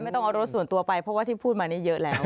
ต้องเอารถส่วนตัวไปเพราะว่าที่พูดมานี้เยอะแล้ว